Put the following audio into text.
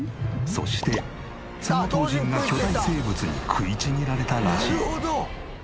そしてそのトウジンが巨大生物に食いちぎられたらしい。